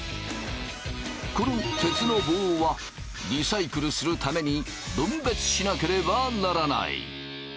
この鉄の棒はリサイクルするために分別しなければならない。